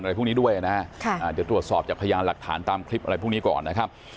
อะไรพวกนี้ด้วยนะฮะเดี๋ยวตรวจสอบจากพยานหลักฐานตามคลิปอะไรพวกนี้ก่อนนะครับ